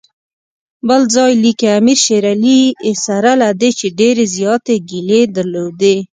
بل ځای لیکي امیر شېر علي سره له دې چې ډېرې زیاتې ګیلې درلودې.